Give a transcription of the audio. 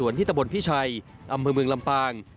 จนพิชัยอำเภอเมืองลำปาง